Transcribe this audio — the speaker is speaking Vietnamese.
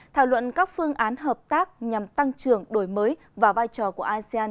thảo luận các phương án hợp tác nhằm tăng trưởng đổi mới và vai trò của asean